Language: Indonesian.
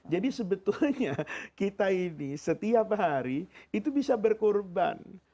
jadi sebetulnya kita ini setiap hari itu bisa berkurban